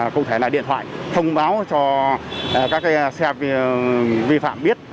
cụ thể là điện thoại thông báo cho các xe vi phạm biết